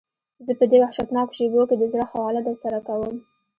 زه په دې وحشتناکو شېبو کې د زړه خواله درسره کوم.